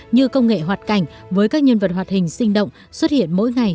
như công nghệ hoạt cảnh với các nhân vật hoạt hình sinh động xuất hiện mỗi ngày